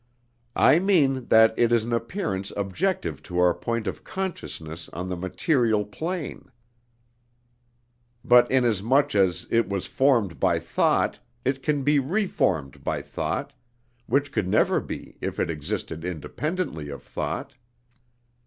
I mean that it is an appearance objective to our point of consciousness on the material plane; but inasmuch as it was formed by thought, it can be reformed by thought, which could never be if it existed independently of thought.